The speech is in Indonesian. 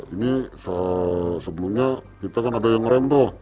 ini sebelumnya kita kan ada yang rem tuh